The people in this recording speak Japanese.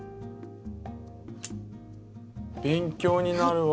勉強になるわ。